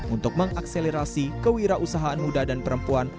untuk mengakselerasi kewirausahaan muda dan perempuan